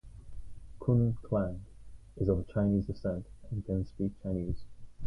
Khun Klang is of Chinese descent and can speak Chinese.